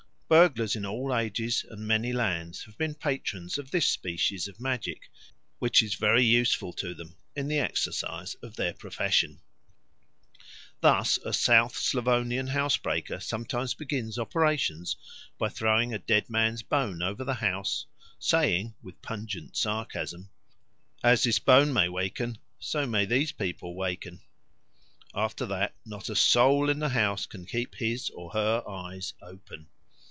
Burglars in all ages and many lands have been patrons of this species of magic, which is very useful to them in the exercise of their profession. Thus a South Slavonian housebreaker sometimes begins operations by throwing a dead man's bone over the house, saying, with pungent sarcasm, "As this bone may waken, so may these people waken"; after that not a soul in the house can keep his or her eyes open.